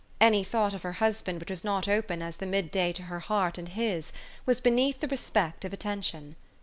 Any thought of her husband which was not open as the mid clay to her heart and his, was beneath the re spect of attention.